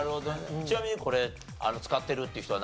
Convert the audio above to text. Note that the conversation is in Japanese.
ちなみにこれ使ってるっていう人は？